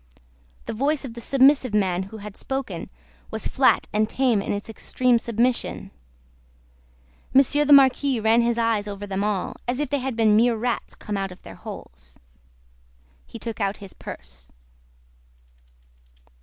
The voice of the submissive man who had spoken, was flat and tame in its extreme submission. Monsieur the Marquis ran his eyes over them all, as if they had been mere rats come out of their holes. He took out his purse.